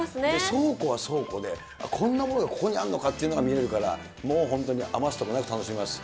倉庫は倉庫で、こんなものがここにあるのかというのまで見れるから、もう本当に余すところなく楽しめます。